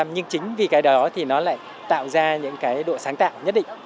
nhưng chính vì cái đó thì nó lại tạo ra những cái độ sáng tạo nhất định